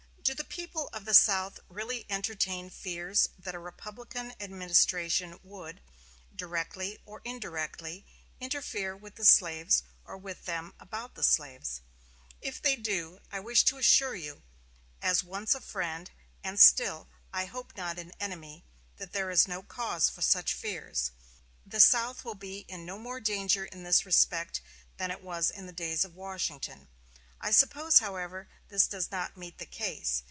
Do the people of the South really entertain fears that a Republican administration would, directly or indirectly, interfere with the slaves, or with them about the slaves? If they do, I wish to assure you, as once a friend, and still, I hope, not an enemy, that there is no cause for such fears. The South would be in no more danger in this respect than it was in the days of Washington. I suppose, however, this does not meet the case.